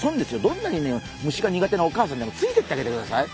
どんなに虫が苦手なお母さんでもついてってあげてください。